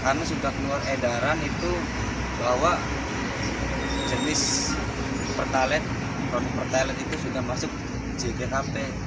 karena sudah keluar edaran itu bahwa jenis pertalait produk pertalait itu sudah masuk jgkp